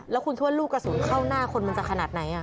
แล้วคุณคิดว่าลูกกระสุนเข้าหน้าคนมันจะขนาดไหน